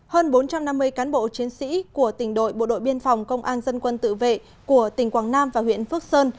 hơn bốn trăm năm mươi cán bộ chiến sĩ của tỉnh đội bộ đội biên phòng công an dân quân tự vệ của tỉnh quảng nam và huyện phước sơn